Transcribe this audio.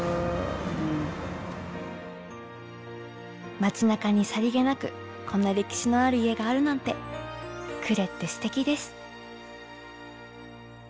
街なかにさりげなくこんな歴史のある家があるなんて呉ってすてきです。